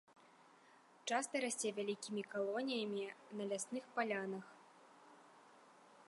Часта расце вялікімі калоніямі на лясных палянах.